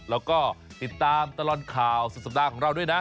แล้วก็ติดตามตลอดข่าวสุดสัปดาห์ของเราด้วยนะ